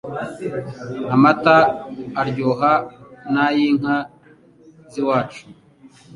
amata aryoha nayinka z'iwacu